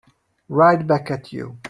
Right back at you.